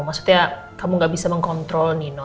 maksudnya kamu gak bisa mengkontrol nino